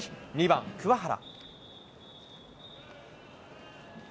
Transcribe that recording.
２番桑原。